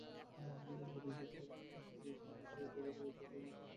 এরপর আইনশৃঙ্খলা রক্ষাকারী বাহিনীর সমন্বিত অভিযানের মুখে সংগঠনটির গুরুত্বপূর্ণ অনেকে নিহত হন।